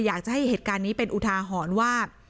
อยากจะให้เหตุการณ์นี้เป็นอุทาหรณ์ว่า